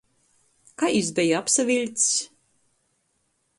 Kai jis beja apsaviļcs?